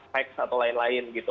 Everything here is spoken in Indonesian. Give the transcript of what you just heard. teks atau lain lain gitu